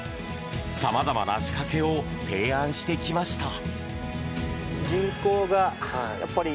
さまざまな仕掛けを提案してきました。